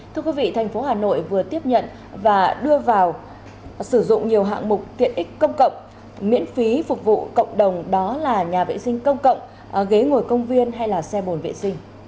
thưa quý vị thành phố hà nội vừa tiếp nhận và đưa vào sử dụng nhiều hạng mục tiện ích công cộng miễn phí phục vụ cộng đồng đó là nhà vệ sinh công cộng ghế ngồi công viên hay xe bồn vệ sinh